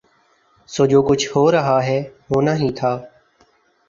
سو جو کچھ ہورہاہے ہونا ہی تھا۔